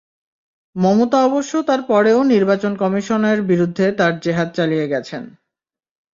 মমতা অবশ্য তার পরেও নির্বাচন কমিশনের বিরুদ্ধে তাঁর জেহাদ চালিয়ে গেছেন।